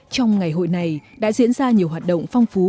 trong ngày hội này đã diễn ra nhiều hoạt động phong phú